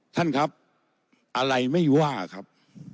ท่านครับอะไรไม่ว่าครับ